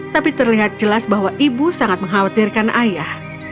tapi terlihat jelas bahwa ibu sangat mengkhawatirkan ayah